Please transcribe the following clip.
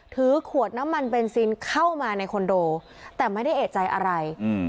ถือขวดน้ำมันเบนซินเข้ามาในคอนโดแต่ไม่ได้เอกใจอะไร